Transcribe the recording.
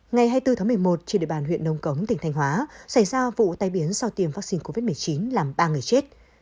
ngày hai mươi bốn tháng một mươi một trên địa bàn huyện nông cống tỉnh thanh hóa xảy ra vụ tai biến do tiêm vaccine covid một mươi chín làm ba người chết